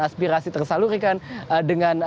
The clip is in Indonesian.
aspirasi tersalurikan dengan